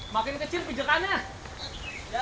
makin kecil pijakannya